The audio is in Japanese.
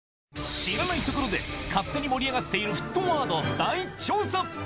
知らない所で勝手に盛り上がっている沸騰ワードを大調査。